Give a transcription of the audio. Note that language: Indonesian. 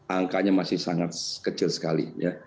angkanya masih sangat kecil sekali